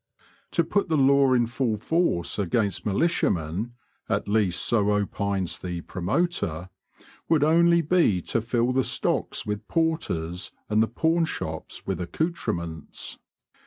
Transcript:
To put the law in full force against militiamen, at least so opines the promoter, would only be to fill the stocks with porters and the pawnshops with accoutrements.